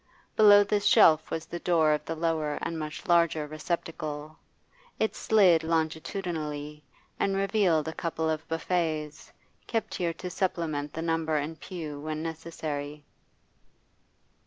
Below this shelf was the door of the lower and much larger receptacle; it slid longitudinally, and revealed a couple of buffets, kept here to supplement the number in the pew when necessary.